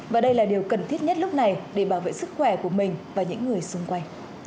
và đây là điều cần thiết nhất lúc này để bảo vệ sức khỏe của mình và những người xung quanh